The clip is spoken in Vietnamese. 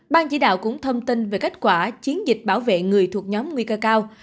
ban chỉ đạo cũng thông tin về kết quả chiến dịch bảo vệ người thuộc nhóm nguy cơ cao